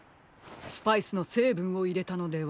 スパイスのせいぶんをいれたのでは？